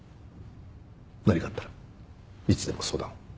何かあったらいつでも相談を。